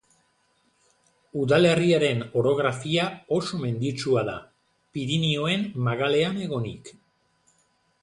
Udalerriaren orografia oso menditsua da, Pirinioen magalean egonik.